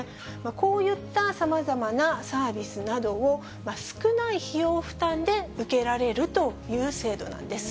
こういったさまざまなサービスなどを、少ない費用負担で受けられるという制度なんです。